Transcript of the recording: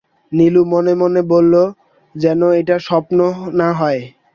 নীলু মনে-মনে বলল-যেন এটা স্বপ্ন না হয়।